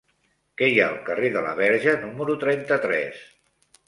Què hi ha al carrer de la Verge número trenta-tres?